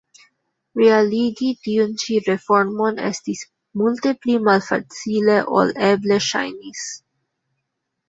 Realigi tiun ĉi reformon estis multe pli malfacile ol eble ŝajnis.